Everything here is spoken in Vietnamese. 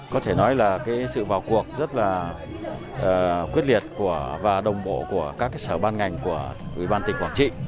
có thể nói là cái sự vào cuộc rất là quyết liệt và đồng bộ của các cái sở ban ngành của ubnd quảng trị